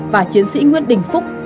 và chiến sĩ nguyễn đình phúc